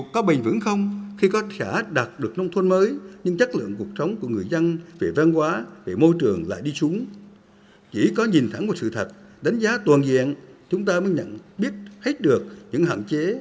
chỉ có nhìn thẳng một sự thật đánh giá toàn diện chúng ta mới nhận biết hết được những hạn chế